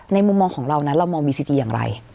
มุมมองของเรานั้นเรามองบีซีทีอย่างไร